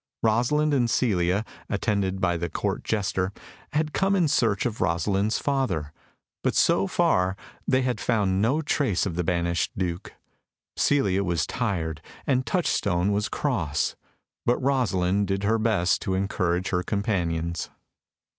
Rosalind and Celia, attended by the Court jester, had come in search of Rosalind's father, but so far they had found no trace of the banished Duke. Celia was tired and Touchstone was cross, but Rosalind did her best to encourage her companions.